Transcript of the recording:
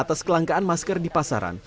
atas kelangkaan masker di pasaran